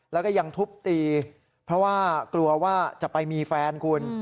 แล้วก็ยังทุบตีเพราะว่ากลัวว่าจะไปมีแฟนคุณ